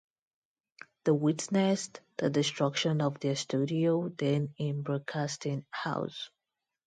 They witnessed the destruction of their studio, then in Broadcasting House.